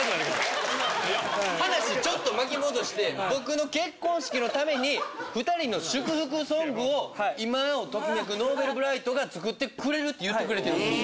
話ちょっと巻き戻して僕の結婚式のために２人の祝福ソングを今をときめくＮｏｖｅｌｂｒｉｇｈｔが作ってくれるって言ってくれてるんですよ。